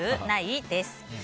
ない？です。